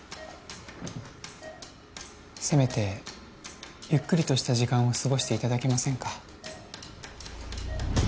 せめてゆっくりとした時間をすごしていただけませんか？